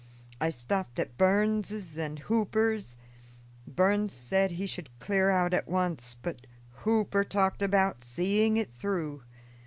I stopped at Burns' and Hooper's. Burns said he should clear out at once, but Hooper talked about seeing it through.